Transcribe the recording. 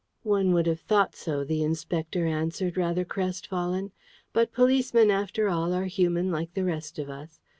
"One would have thought so," the Inspector answered, rather crestfallen. "But policemen, after all, are human like the rest of us.